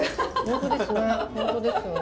本当ですね。